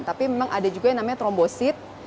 tapi memang ada juga yang namanya trombosit